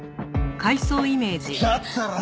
だったらさ。